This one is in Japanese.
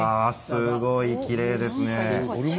すごいきれいですね。